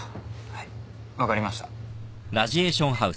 はい分かりました。